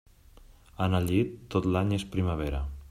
En el llit, tot l'any és primavera.